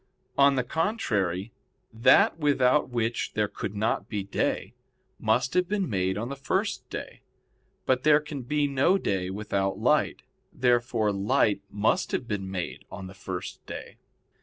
On the contrary, That without which there could not be day, must have been made on the first day. But there can be no day without light. Therefore light must have been made on the first day.